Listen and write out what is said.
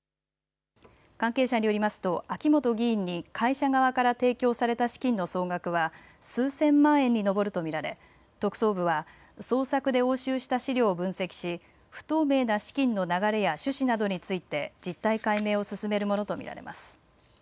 関係者によりますと、秋本議員に会社側から提供された資金の総額は数千万円に上るとみられ特捜部は、捜索で押収した資料を分析し不透明な資金の流れや趣旨などについて実態解明を進めるものとみられます。